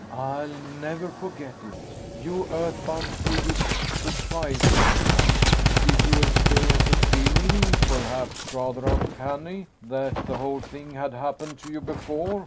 "I'll never forget it. You Earthbound kiwis should try it sometime." "Did you experience a feeling ... perhaps, rather uncanny ... that the whole thing had happened to you before?